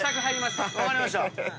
分かりました。